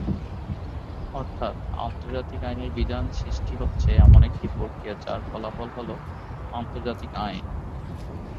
অর্থাৎ আন্তর্জাতিক আইনের বিধান সৃষ্টি হচ্ছে এমন একটি প্রক্রিয়া যার ফলাফল হল আন্তর্জাতিক আইন।